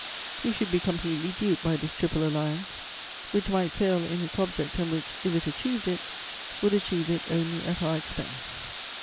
We should be completely duped by this Triple Alliance, which might fail in its object and which, if it achieved it, would achieve it only at our expense.